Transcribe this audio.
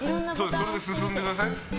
それで進んでください。